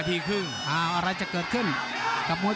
ภูตวรรณสิทธิ์บุญมีน้ำเงิน